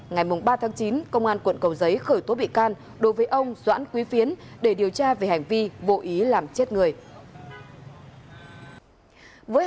ngày ba tháng chín công an quận cầu giấy khởi tố bị can đối với ông doãn quý phiến để điều tra về hành vi vô ý làm chết người